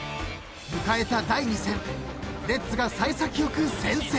［迎えた第２戦］［レッズが幸先よく先制］